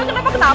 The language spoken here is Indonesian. aduh ya allah